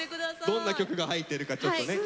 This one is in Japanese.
どんな曲が入ってるかちょっとね。